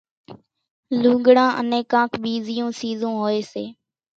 لوڳڙان انين ڪانڪ ٻيزِيوُن سيزون هوئيَ سي۔